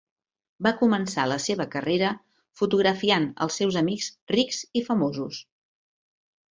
Va començar la seva carrera fotografiant els seus amics rics i famosos.